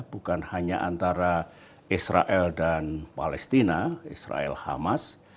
bukan hanya antara israel dan palestina israel hamas